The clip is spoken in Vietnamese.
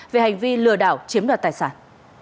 về hành vi lừa đảo chiếm đoạt tài sản